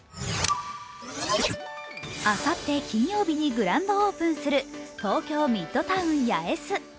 あさって金曜日にグランドオープンする東京ミッドタウン八重洲。